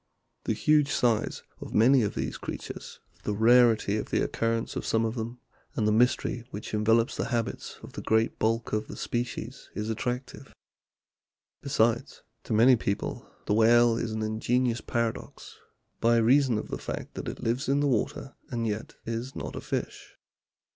The huge size of many of these creatures, the rarity of the occurrence of some of them, and the mystery which envelops the habits of the great bulk of the species is attractive. Besides, to many people the whale is an ingenious paradox, by reason of the fact that it lives in the water and yet is not a fish.